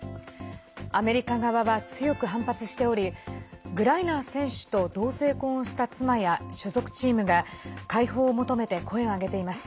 アメリカ側は強く反発しておりグライナー選手と同性婚をした妻や所属チームが解放を求めて声を上げています。